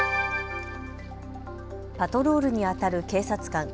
パトロールにあたる警察官。